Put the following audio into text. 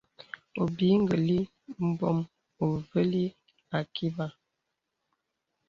Obìì gə̀lì mbɔ̄m uvəlì àkibà.